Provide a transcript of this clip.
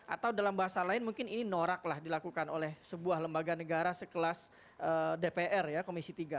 atau dalam bahasa lain mungkin ini noraklah dilakukan oleh sebuah lembaga negara sekelas dpr ya komisi tiga